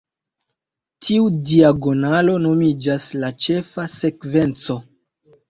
Tiu diagonalo nomiĝas "la ĉefa sekvenco".